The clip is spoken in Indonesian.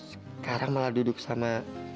sekarang malah duduk sama